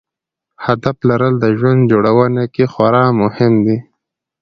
هدف لرل د ژوند جوړونې کې خورا مهم دی.